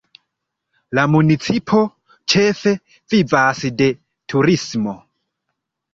La municipo ĉefe vivas de turismo.